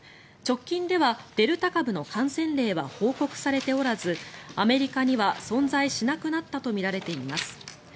直近ではデルタ株の感染例は報告されておらずアメリカには存在しなくなったとみられています。